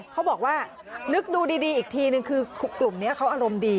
เขาบอกว่านึกดูดีอีกทีนึงคือกลุ่มนี้เขาอารมณ์ดี